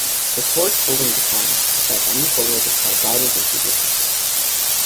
The Court's holding declined to set any formula to provide guidance in future cases.